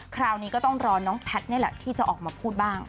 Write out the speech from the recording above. คราวนี้ก็ต้องรอน้องแพทย์นี่แหละที่จะออกมาพูดบ้าง